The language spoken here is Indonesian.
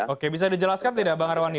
oke bisa dijelaskan tidak bang arwani